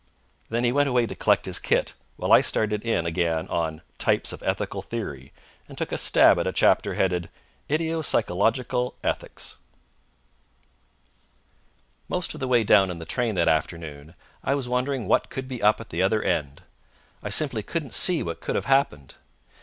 And then he went away to collect his kit, while I started in again on "Types of Ethical Theory" and took a stab at a chapter headed "Idiopsychological Ethics." Most of the way down in the train that afternoon, I was wondering what could be up at the other end. I simply couldn't see what could have happened.